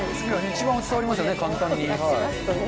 一番伝わりますよね簡単に。